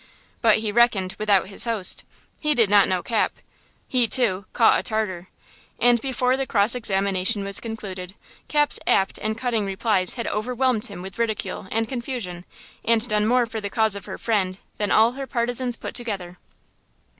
But he reckoned "without his host." He did not know Cap! He, too, "caught a Tartar." And before the cross examination was concluded, Capitola's apt and cutting replies had overwhelmed him with ridicule and confusion, and done more for the cause of her friend than all her partisans put together!